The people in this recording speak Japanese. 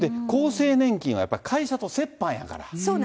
厚生年金はやっぱり会社と折半やから。